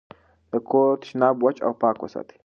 د کور تشناب وچ او پاک وساتئ.